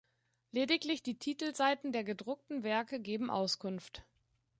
Lediglich die Titelseiten der gedruckten Werke geben Auskunft.